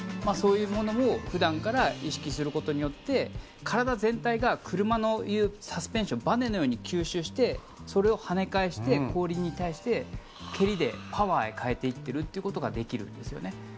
そういうものを普段から意識することによって体全体が車でいうサスペンションばねのように吸収してそれを跳ね返して氷に対して蹴りでパワーへ変えていっているということができるんですね。